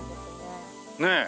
ねえ。